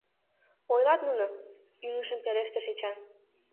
— Ойлат нуно, — ӱҥышын пелештыш Эчан.